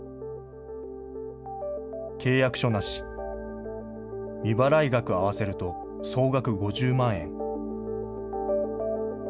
契約書なし、未払い額を合わせると総額５０万円。